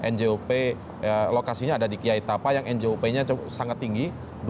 njop lokasinya ada di kiai tapa yang njop nya sangat tinggi